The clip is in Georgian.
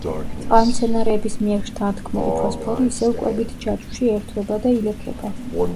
წყალმცენარეების მიერ შთანთქმული ფოსფორი ისევ კვებით ჯაჭვში ერთვება და ილექება.